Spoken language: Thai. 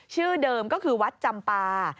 ชื่อเดิมก็คือวัดจำปา